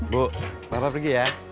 bu bapak pergi ya